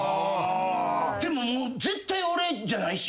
でももう絶対俺じゃないしこんなん。